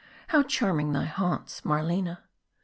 How charming thy haunts Marlena